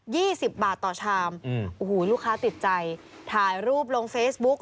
ี่สิบบาทต่อชามอืมโอ้โหลูกค้าติดใจถ่ายรูปลงเฟซบุ๊ก